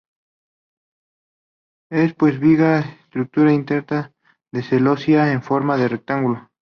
Es pues una viga con estructura interna de celosía en forma de rectángulo.